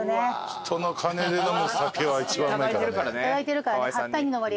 人の金で飲む酒は一番うまいからね。